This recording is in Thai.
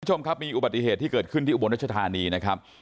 คุณผู้ชมครับมีอุบัติเหตุที่เกิดขึ้นที่อุบลรัชธานีนะครับ